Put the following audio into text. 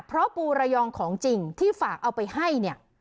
เพราะปูระยองของจริงที่ฝากเอาไปให้เนี่ย